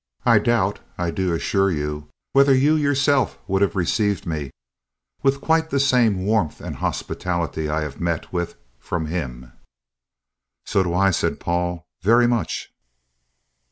I doubt, I do assure you, whether you yourself would have received me with quite the same warmth and hospitality I have met with from him." "So do I," said Paul; "very much."